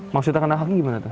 maksudnya kena kaki gimana tuh